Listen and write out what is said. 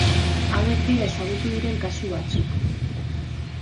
Hauek dira ezagutu diren kasu batzuk.